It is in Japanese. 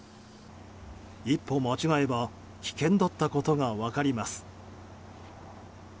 一歩間違えば危険だったことが分かります。